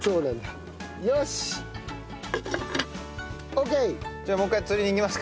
オーケー！